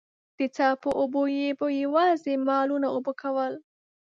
د څاه په اوبو به يې يواځې مالونه اوبه کول.